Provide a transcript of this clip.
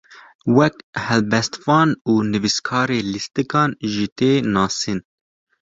Weke helbestvan û nivîskarê lîstikan jî tê nasîn.